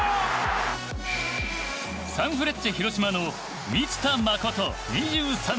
サンフレッチェ広島の満田誠２３歳。